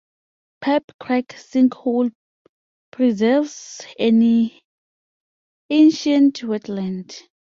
Pipe Creek Sinkhole preserves an ancient wetland.